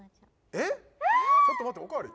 えっちょっと待っておかわり？